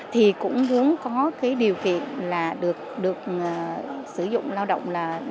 thì cũng muốn có cái điều kiện là được sử dụng lao động là đủ sống